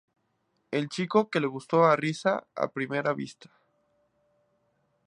El chico que le gustó a Risa a primera vista.